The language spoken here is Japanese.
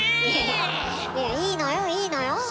いやいいのよいいのよ。